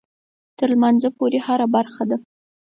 تر لمانځه پورې هره برخه ده.